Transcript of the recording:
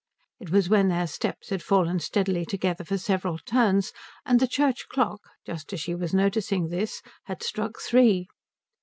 It was when their steps had fallen steadily together for several turns and the church clock, just as she was noticing this, had struck three.